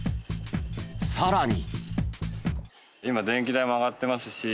さらに。